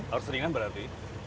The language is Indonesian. air seringan berarti